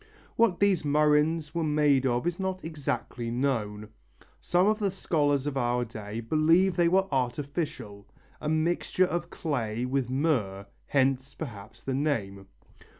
What these murrhines were made of is not exactly known. Some of the scholars of our day believe they were artificial, a mixture of clay with myrrh, hence, perhaps, the name.